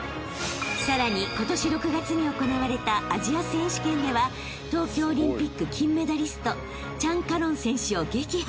［さらに今年６月に行われたアジア選手権では東京オリンピック金メダリストチャン・カロン選手を撃破］